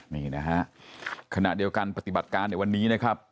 นี่นะฮะขณะเดียวกันปฏิบัติการในวันนี้นะครับ